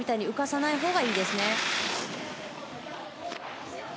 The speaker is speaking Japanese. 浮かさないほうがいいですね。